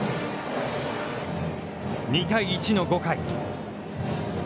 ２対１の５回。